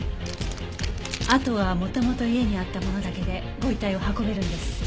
あとは元々家にあったものだけでご遺体を運べるんです。